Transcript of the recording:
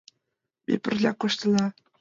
Ме пырля коштына.